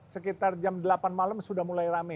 sekitar jam delapan malam sudah mulai rame